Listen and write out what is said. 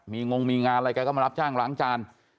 มีงงมีงานอะไรแกก็มารับจ้างล้างจาน